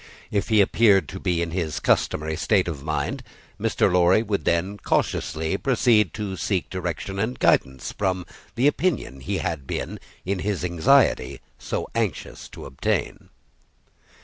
If he appeared to be in his customary state of mind, Mr. Lorry would then cautiously proceed to seek direction and guidance from the opinion he had been, in his anxiety, so anxious to obtain.